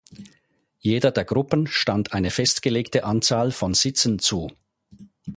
Jeder der Gruppen stand eine festgelegte Anzahl von Sitzen zu.